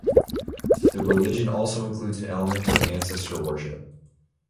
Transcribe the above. The religion also includes an element of ancestor worship.